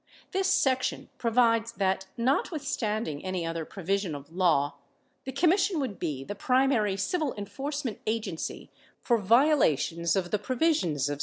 This section provides that, notwithstanding any other provision of law, the Commission would be the primary civil enforcement agency for violations of the 567 provisions of S.